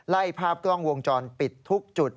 ไล่ภาพกล้องวงจรปิดทุกจุด